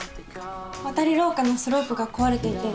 わたりろうかのスロープが壊れていて。